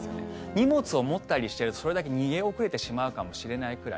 荷物を持ったりしてるとそれだけ逃げ遅れてしまうかもしれないくらい。